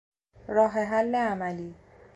راهحل عملی